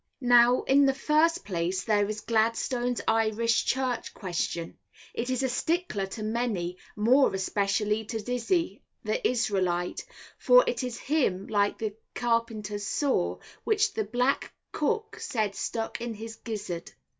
Now in the first place, there is Gladstone's Irish Church Question! it is a stickler to many, more especially to Dizzey, the Isrælite, for it is to him like the carpenter's saw, which the black cook said stuck in his gizzard.